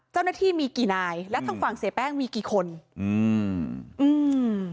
เจ้าหน้าที่มีกี่นายและทางฝั่งเสียแป้งมีกี่คนอืมอืม